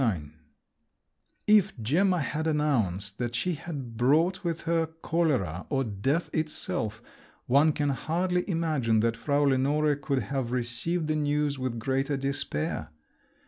XXIX If Gemma had announced that she had brought with her cholera or death itself, one can hardly imagine that Frau Lenore could have received the news with greater despair.